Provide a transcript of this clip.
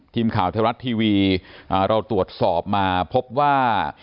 ทีมข่าวไทยรัฐทีวีเราตรวจสอบมาพบว่า